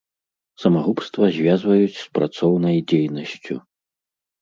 Самагубства звязваюць з працоўнай дзейнасцю.